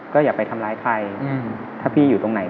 ก็อย่าไปทำร้ายใครถ้าพี่อยู่ตรงไหน